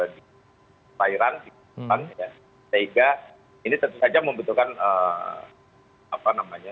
di perairan di perusahaan ya sehingga ini tentu saja membutuhkan apa namanya